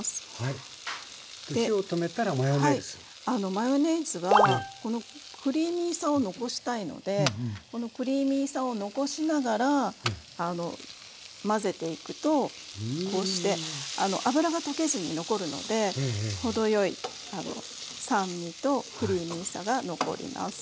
マヨネーズはこのクリーミーさを残したいのでこのクリーミーさを残しながら混ぜていくとこうして脂が溶けずに残るのでほどよい酸味とクリーミーさが残ります。